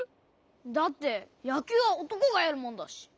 だってやきゅうはおとこがやるもんだし。